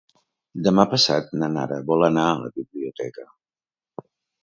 Demà passat na Nara vol anar a la biblioteca.